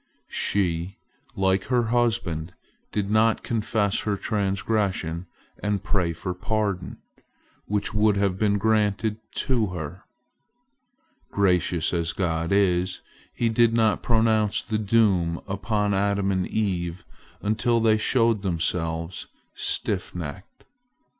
She, like her husband, did not confess her transgression and pray for pardon, which would have been granted to her. Gracious as God is, He did not pronounce the doom upon Adam and Eve until they showed themselves stiff necked.